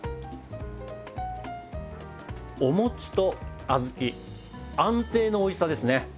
お餅と小豆安定のおいしさですね。